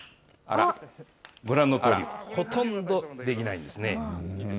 ご覧のとおり、ほとんどできないんですね。